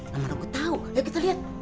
nama rokok tau yuk kita liat